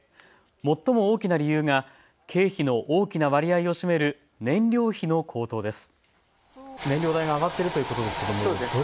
最も大きな理由が経費の大きな割合を占める燃料費の高騰です。